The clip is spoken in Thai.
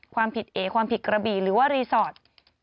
ความผิดเอความผิดกระบี่หรือว่ารีสอร์ท